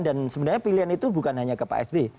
dan sebenarnya pilihan itu bukan hanya ke pak sby